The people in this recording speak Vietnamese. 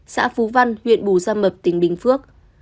xã phú văn huyện bù gia mập tỉnh bình phước